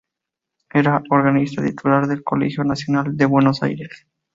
Era organista titular del Colegio Nacional de Buenos Aires.